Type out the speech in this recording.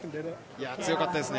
強かったですね。